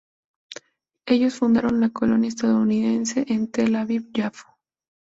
Ellos fundaron la colonia estadounidense en Tel Aviv-Yafo.